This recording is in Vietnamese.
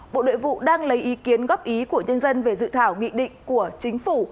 bộ nội vụ đang lấy ý kiến góp ý của nhân dân về dự thảo nghị định của chính phủ